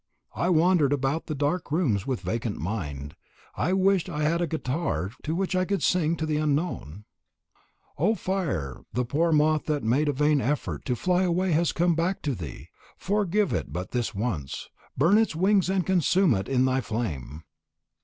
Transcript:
I wandered about the dark rooms with a vacant mind. I wished I had a guitar to which I could sing to the unknown: "O fire, the poor moth that made a vain effort to fly away has come back to thee! Forgive it but this once, burn its wings and consume it in thy flame!"